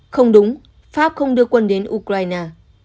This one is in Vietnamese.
không đúng pháp không đưa quân đến ukraine